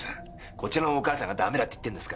こちらのお母さんがダメだって言ってんですから。